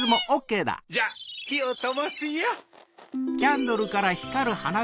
じゃあひをともすよ。